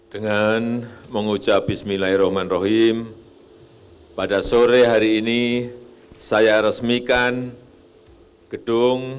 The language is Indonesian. dengan mengucap bismillahirrahmanirrahim pada sore hari ini saya resmikan gedung